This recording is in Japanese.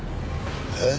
えっ！？